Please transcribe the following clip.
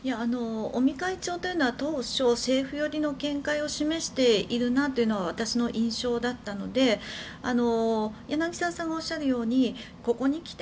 尾身会長というのは当初、政府寄りの見解を示しているなというのは私の印象だったので柳澤さんがおっしゃるようにここに来て